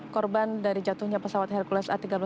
korban dari jatuhnya pesawat hercules